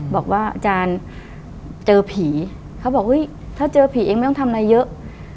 บอกว่าอาจารย์เจอผีเขาบอกเฮ้ยถ้าเจอผีเองไม่ต้องทำอะไรเยอะ